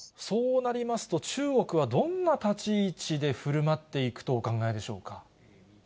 そうなりますと、中国はどんな立ち位置でふるまっていくとお考えでしょうか。